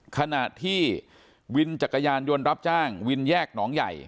ขณะที่วินจักรยานยนต์รับจ้างวินแยกหนองใหญ่